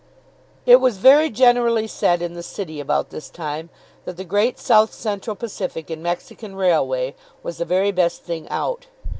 It was very generally said in the city about this time that the Great South Central Pacific and Mexican Railway was the very best thing out.